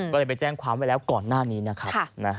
ก็เลยไปแจ้งความไว้แล้วก่อนหน้านี้นะครับ